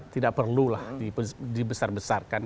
tidak perlulah dibesar besarkan